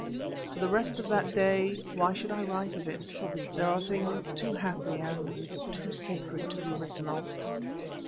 For the rest of that day, why should I write of it?—there are things too happy and too sacred to be written of.